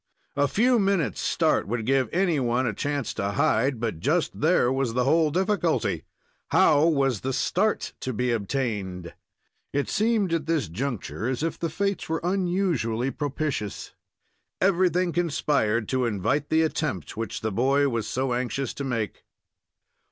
A few minutes start would give any one a chance to hide, but just there was the whole difficulty. How was the start to be obtained? It seemed, at this juncture, as if the fates were unusually propitious. Everything conspired to invite the attempt which the boy was so anxious to make.